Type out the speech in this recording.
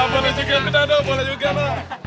boleh juga dado boleh juga pak